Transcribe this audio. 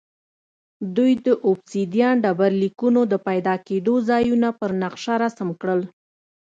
دوی د اوبسیدیان ډبرلیکونو د پیدا کېدو ځایونه پر نقشه رسم کړل